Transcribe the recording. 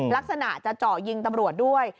ลักษณะจะเจาะยิงตำรวจด้วย